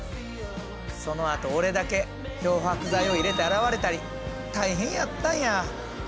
そのあと俺だけ漂白剤を入れて洗われたり大変やったんや。